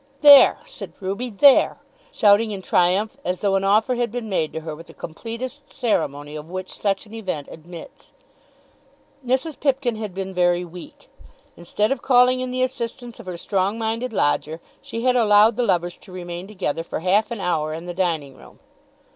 "There," said Ruby, "there!" shouting in triumph as though an offer had been made to her with the completest ceremony of which such an event admits. Mrs. Pipkin had been very weak. Instead of calling in the assistance of her strong minded lodger, she had allowed the lovers to remain together for half an hour in the dining room.